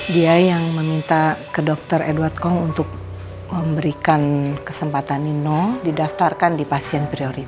dia yang meminta ke dokter edward com untuk memberikan kesempatan nino didaftarkan di pasien priori